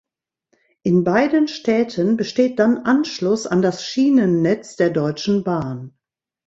In beiden Städten besteht dann Anschluss an das Schienennetz der Deutschen Bahn.